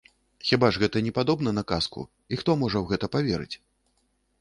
Хіба ж гэта не падобна на казку і хто можа ў гэта паверыць?